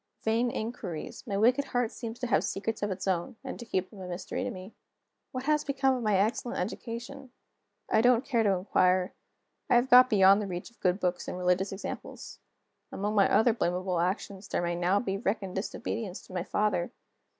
Vain inquiries! My wicked heart seems to have secrets of its own, and to keep them a mystery to me. What has become of my excellent education? I don't care to inquire; I have got beyond the reach of good books and religious examples. Among my other blamable actions there may now be reckoned disobedience to my father.